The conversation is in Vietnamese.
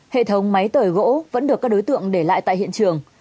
hệ thống máy tời gỗ vẫn được các đối tượng để lại tại hiện trường